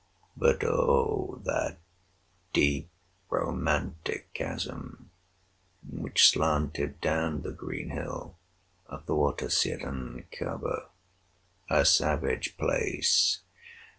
But oh! that deep romantic chasm which slanted Down the green hill athwart a cedarn cover! A savage place!